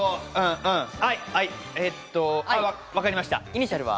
分かりました。